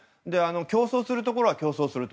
競争するところは競争すると。